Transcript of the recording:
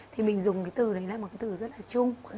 thì mình dùng cái từ đấy là một cái từ rất là chung